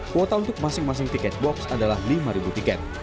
kuota untuk masing masing tiket box adalah lima tiket